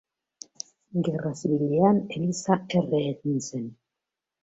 Gerra Zibilean eliza erre egin zen.